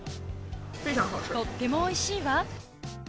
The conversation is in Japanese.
とってもおいしいわ。